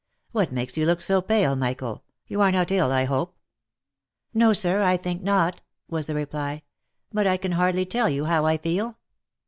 " What makes you look so pale, Michael ? You are not ill, I hope V " No, sir, I think not," was the reply, " but I can hardly tell you how I feel.